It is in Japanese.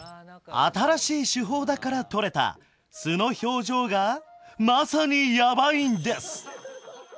新しい手法だから撮れた素の表情がまさにヤバいんです。